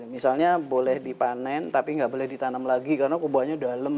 misalnya boleh dipanen tapi nggak boleh ditanam lagi karena kubahnya dalam